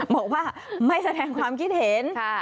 บอกว่าไม่แสดงความคิดเห็น